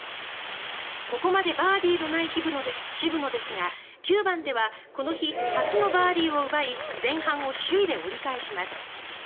ここまでバーディーのない渋野ですが９番ではこの日初のバーディーを奪い前半を首位で折り返します。